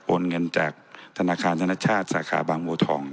เงินจากธนาคารธนชาติสาขาบางบัวทอง